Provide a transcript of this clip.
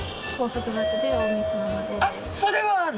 それはある？